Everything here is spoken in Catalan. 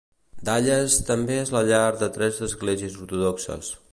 Dallas també és la llar de tres esglésies ortodoxes.